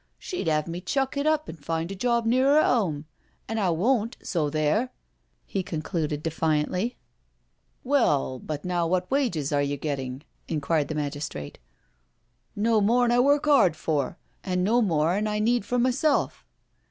" She'd 'ave me chuck it up an' find a job nearer 'ome, an' I won't, so there I" l^e concli|4e4 defiantly* 96 NO SURRENDER "Well, but now what wages are you getting?" in quired the magistrate. " No more *an I work hard for, an' no more *an I need for myself."